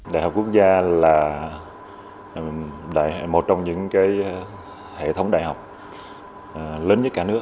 đại học quốc gia là một trong những hệ thống đại học lớn nhất cả nước